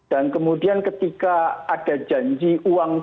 dan kemudian ketika ada janji uang dua t gitu